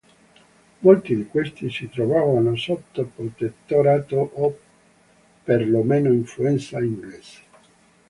Molti di questi si trovavano sotto protettorato o perlomeno influenza inglese.